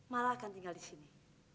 malah akan tinggal disini